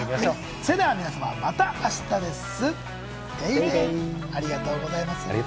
それでは皆様、また明日です。